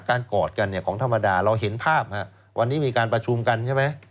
กอดกันเนี่ยของธรรมดาเราเห็นภาพวันนี้มีการประชุมกันใช่ไหม